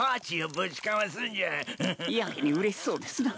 やけにうれしそうですな。